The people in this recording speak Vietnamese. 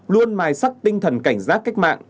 luôn mài sắc tinh thần cảnh giác cách mạng